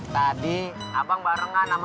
tadi abang barengan sama